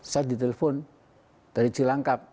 saya ditelepon dari cilangkap